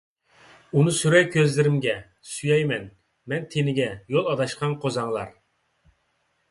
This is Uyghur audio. ئۇنى سۈرەي كۆزلىرىمگە، سۆيەي مەن، مەن تېنىگەن، يول ئاداشقان قوزاڭلار ...